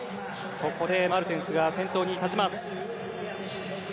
マルテンスが先頭に立ちます。